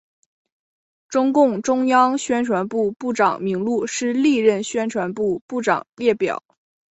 中共中央宣传部部长名录是历任宣传部部长列表。